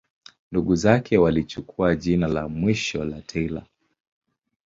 Ndugu zake walichukua jina la mwisho la Taylor.